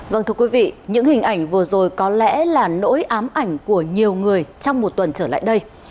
vâng thưa quý vị những hình ảnh vừa rồi có lẽ là nỗi ám ảnh của nhiều người trong một tuần trở lại đây